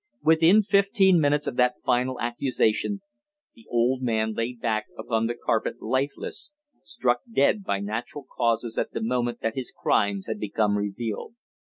Within fifteen minutes of that final accusation the old man lay back upon the carpet lifeless, struck dead by natural causes at the moment that his crimes had become revealed.